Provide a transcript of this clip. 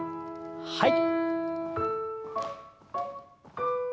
はい。